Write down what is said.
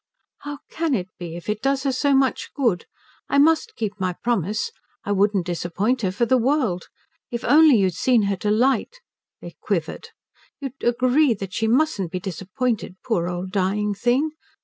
"How can it be if it does her so much good? I must keep my promise. I wouldn't disappoint her for the world. If only you'd seen her delight" they quivered "you'd agree that she mustn't be disappointed, poor old dying thing.